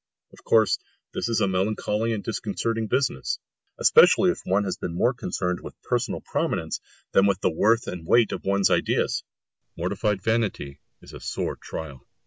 Of course this is a melancholy and disconcerting business, especially if one has been more concerned with personal prominence than with the worth and weight of one's ideas; mortified vanity is a sore trial.